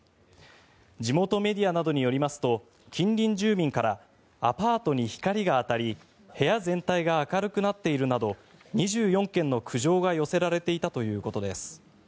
地元メディアなどによりますと近隣住民からアパートに光が当たり部屋全体が明るくなっているなど２４件の苦情が寄せられていたということです。